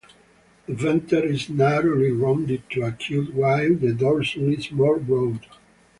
The venter is narrowly rounded to acute while the dorsum is more broad.